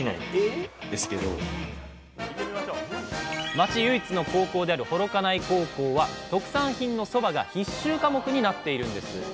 町唯一の高校である幌加内高校は特産品の「そば」が必修科目になっているんです。